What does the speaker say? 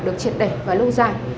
được triệt đẩy và lâu dài